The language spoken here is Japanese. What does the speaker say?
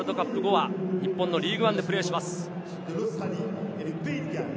ワールドカップ後は、日本のリーグワンでプレーします。